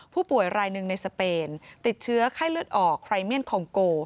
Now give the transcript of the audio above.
ผู้ป่วยรายหนึ่งในสเปนติดเชื้อไข้เลือดออกไครเมียนคองโก